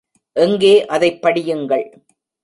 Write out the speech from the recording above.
எங்கே அதைப் படியுங்கள்!